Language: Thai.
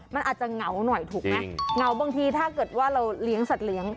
มันอาจจะเหงาหน่อยถูกไหมเหงาบางทีถ้าเกิดว่าเราเลี้ยงสัตว์เลี้ยง